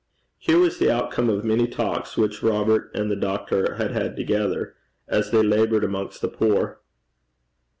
Here was the outcome of many talks which Robert and the doctor had had together, as they laboured amongst the poor.